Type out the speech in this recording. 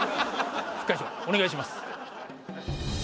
副会長お願いします。